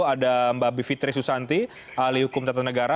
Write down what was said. ada mbak bivitri susanti alihukum tata negara